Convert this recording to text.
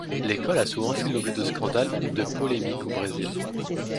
L'école a souvent fait l'objet de scandale ou de polémique au Brésil.